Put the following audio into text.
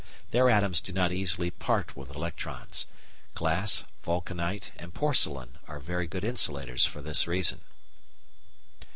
Their atoms do not easily part with electrons. Glass, vulcanite, and porcelain are very good insulators for this reason.